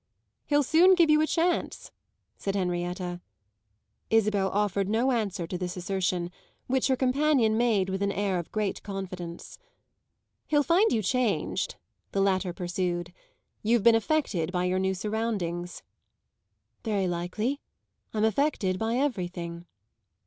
"He'll soon give you a chance," said Henrietta. Isabel offered no answer to this assertion, which her companion made with an air of great confidence. "He'll find you changed," the latter pursued. "You've been affected by your new surroundings." "Very likely. I'm affected by everything."